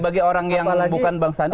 bagi orang yang bukan bang sandi